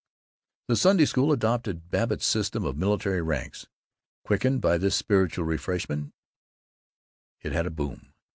The Sunday School adopted Babbitt's system of military ranks. Quickened by this spiritual refreshment, it had a boom.